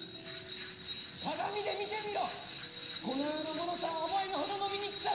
鏡で見てみろ！この世のものとは思えぬほどの醜さだ！